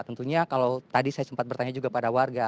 tentunya kalau tadi saya sempat bertanya juga pada warga